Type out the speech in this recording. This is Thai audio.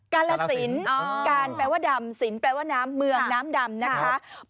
กาลสินการแปลว่าดำสินแปลว่าน้ำเมืองน้ำดำนะคะ